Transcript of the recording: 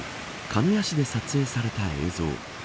鹿屋市で撮影された映像。